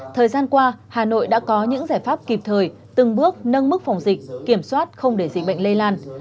thời gian qua hà nội đã có những giải pháp kịp thời từng bước nâng mức phòng dịch kiểm soát không để dịch bệnh lây lan